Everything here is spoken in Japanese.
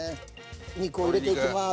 肉を入れていきます。